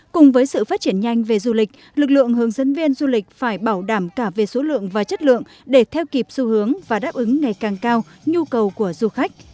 cùng với sự phát triển nhanh về du lịch lực lượng hướng dẫn viên du lịch phải bảo đảm cả về số lượng và chất lượng để theo kịp xu hướng và đáp ứng ngày càng cao nhu cầu của du khách